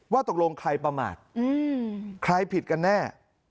ตกลงใครประมาทใครผิดกันแน่